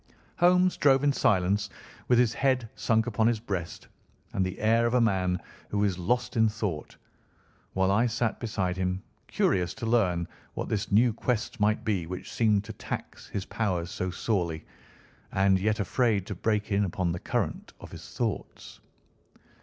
Holmes drove in silence, with his head sunk upon his breast, and the air of a man who is lost in thought, while I sat beside him, curious to learn what this new quest might be which seemed to tax his powers so sorely, and yet afraid to break in upon the current of his thoughts.